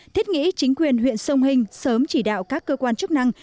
thiết nghĩ chính quyền huyện sông hình sớm chỉ đạo các cơ quan chức năng